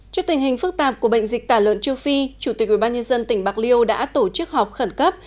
trước tình hình phức tạp của bệnh dịch tả lợn châu phi chủ tịch ubnd tỉnh bạc liêu đã tổ chức họp khẩn cấp